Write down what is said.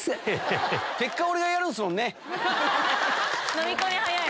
のみ込み早い！